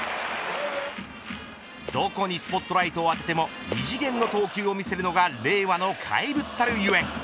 どこにスポットライトを当てても異次元の投球を見せるのが令和の怪物たるゆえん。